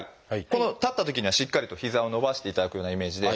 この立ったときにはしっかりと膝を伸ばしていただくようなイメージで。